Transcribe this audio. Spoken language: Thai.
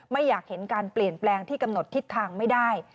ไม่อยากเห็นการเปลี่ยนแปลงที่กำหนดทิศทางไม่ได้